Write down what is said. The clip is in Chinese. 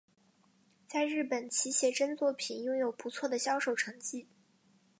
在日本其写真作品拥有不错的销售成绩。